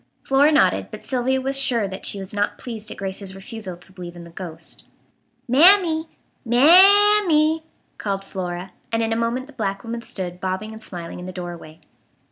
Flora nodded, but Sylvia was sure that she was not pleased at Grace's refusal to believe in the ghost. "Mammy! Mam m e e," called Flora, and in a moment the black woman stood bobbing and smiling in the doorway.